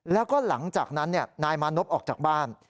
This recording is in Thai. แล้วก็หลังจากนั้นนายมานพออกจากบ้าน